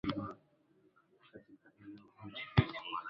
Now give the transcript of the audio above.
asilimia tatu nchini Burundi asilimia ishirni na tano Sudan Kusini na